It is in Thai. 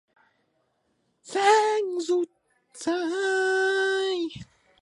และแสงสว่างจ้าทะลุผ่านรอยขาดของผ้าม่าน